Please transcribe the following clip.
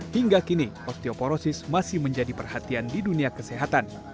hingga kini osteoporosis masih menjadi perhatian di dunia kesehatan